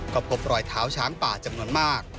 ก็พบรอยเท้าช้างป่าจำนวนมาก